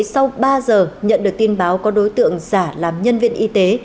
sau ba giờ nhận được tin báo có đối tượng giả làm nhân viên y tế